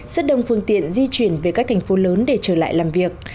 rất đông phương tiện di chuyển về các thành phố lớn để trở lại làm việc